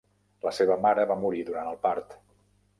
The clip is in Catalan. La seva mare va morir durant el part.